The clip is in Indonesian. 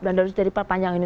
dan terus dari panjang ini